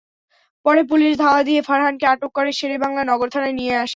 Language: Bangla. পরে পুলিশ ধাওয়া দিয়ে ফারহানকে আটক করে শেরে বাংলা নগর থানায় নিয়ে আসে।